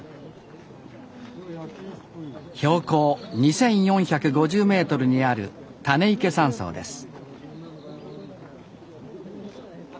標高２，４５０ｍにある種池山荘です